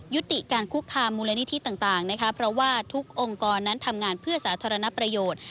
ยุติการคุกคามมูลนิธิต่างนะคะเพราะว่าทุกองค์กรนั้นทำงานเพื่อสาธารณประโยชน์